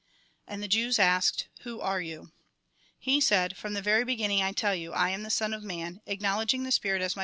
And the Jews asked :" Who are you ?" He said: "From the very beginning, I tell you, I am the Son of Man, acknowledging the Spirit as Jn.